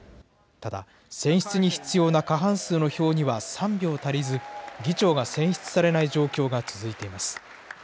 ただ、選出に必要な過半数の票には３票足りず、議長が選出されない状況が続いています。